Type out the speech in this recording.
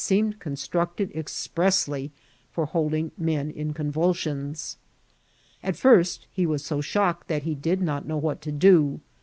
seemed constructed expressly for holding men in con vulsions. At first he was so shocked that he did not know what to do.